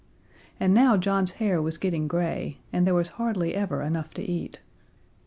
And now John's hair was getting gray, and there was hardly ever enough to eat.